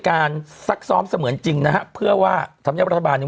การซักซอ้อมเสมือนจริงนะฮะเพื่อว่าธรษบารยัง